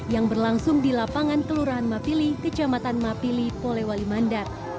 yang berlangsung di lapangan kelurahan mapili kecamatan mapili polewali mandat